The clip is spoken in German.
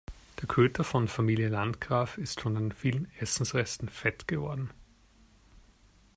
Der Köter von Familie Landgraf ist von den vielen Essensresten fett geworden.